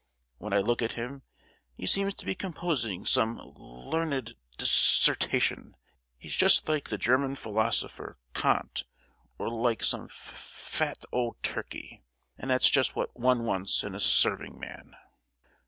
When I look at him he seems to be composing some l—learned dis—sertation. He's just like the German philosopher, Kant, or like some fa—fat old turkey, and that's just what one wants in a serving man."